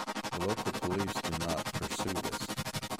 The local police do not pursue this.